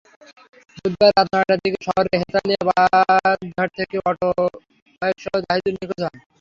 বুধবার রাত নয়টার দিকে শহরের হেতালিয়া বাঁধঘাট থেকে আটোবাইকসহ জাহিদুল নিখোঁজ হন।